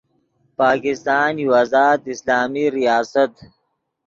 پاکستان یو آزاد اسلامی ریاست